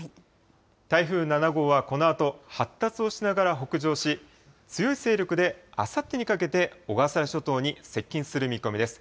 台風７号はこのあと、発達をしながら北上し、強い勢力で、あさってにかけて小笠原諸島に接近する見込みです。